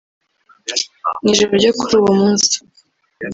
Mu ijoro ryo kuri uwo munsi